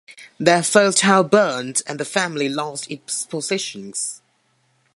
Their first house burned and the family lost its possessions.